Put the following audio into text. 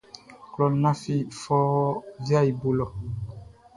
Kloʼn lafi fɔuun viaʼn i bo lɔ.